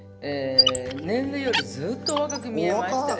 年齢よりずっとおわかく見えまして。